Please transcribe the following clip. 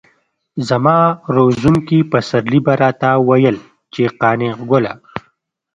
زما روزونکي پسرلي به راته ويل چې قانع ګله.